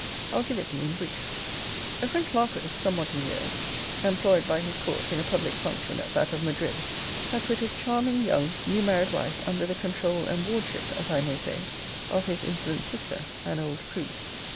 I'll give it thee in brief: 'A French marquis, somewhat in years, employed by his court in a public function at that of Madrid, had put his charming young new married wife under the controul and wardship, as I may say, of his insolent sister, an old prude.